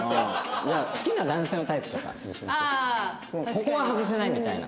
ここは外せないみたいな。